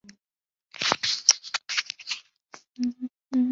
最后鲁国在战国末期被楚国所灭。